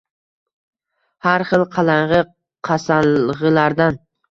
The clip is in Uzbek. Har xil qalang‘i-qasang‘ilardan.